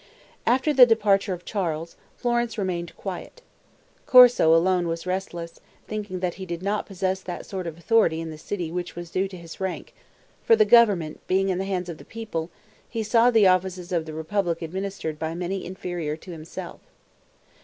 After the departure of Charles, Florence remained quiet. Corso alone was restless, thinking he did not possess that sort of authority in the city which was due to his rank; for the government being in the hands of the people, he saw the offices of the republic administered by many inferior to himself.